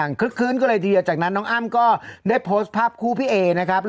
อ่าอ่าอ่าอ่าอ่าอ่า